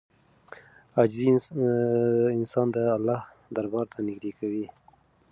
عاجزي انسان د الله دربار ته نږدې کوي.